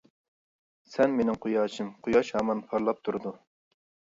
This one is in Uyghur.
سەن مىنىڭ قۇياشىم، قۇياش ھامان پارلاپ تۇرىدۇ.